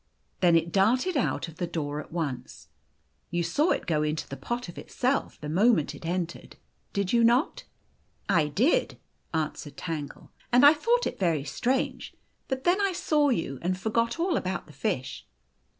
Then it darted out of the door at once. You saw it go into the pot of itself the moment it entered, did you not?" " I did," answered Tangle, " and I thought it very strange ; but then I saw you, and forgot all about the fish."